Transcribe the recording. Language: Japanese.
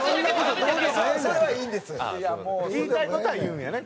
言いたい事は言うんやね